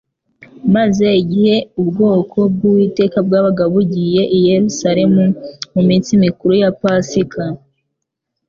maze igihe ubwoko bw'Uwiteka bwabaga bugiye i Yerusalemu mu minsi mikuru ya Pasika,